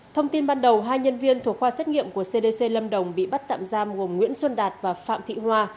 thông tin ban đầu hai nhân viên thuộc khoa xét nghiệm của cdc lâm đồng bị bắt tạm giam gồm nguyễn xuân đạt và phạm thị hoa